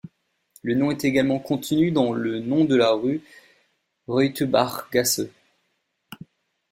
Le nom est également contenu dans le nom de la rue Reutebachgasse.